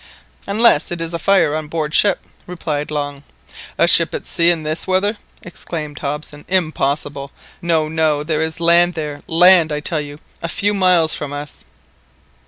"Unless it is a fire on board ship," replied Long. "A ship at sea in this weather!" exclaimed Hobson, "impossible! No, no, there is land there, land I tell you, a few miles from us!"